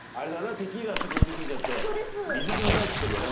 テキーラちょっと飲み過ぎちゃってって言ってんだよね